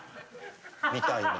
みたいな。